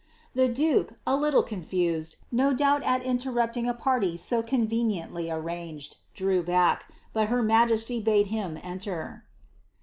' The duke, a little confused, no doubt at interrupting a party so conveniently arranged, drew back ; but her majesty bade him enter.